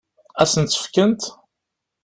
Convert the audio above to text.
Ad sen-tt-fkent?